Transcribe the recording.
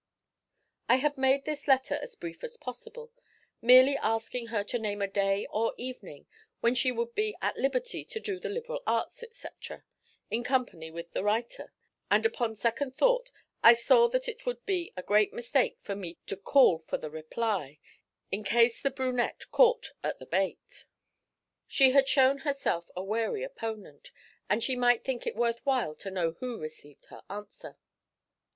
I had made this letter as brief as possible, merely asking her to name a day or evening when she would be at liberty to do the Liberal Arts, etc., in company with the writer, and upon second thought, I saw that it would be a great mistake for me to call for the reply, in case the brunette caught at the bait. She had shown herself a wary opponent, and she might think it worth while to know who received her answer.